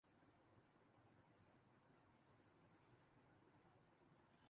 Zimbabwe کے خلاف پہلا ٹیسٹ پاکستانی ٹیم نے یونس خان کی غیر معمولی اننگز کی بدولت جیتا تھا ۔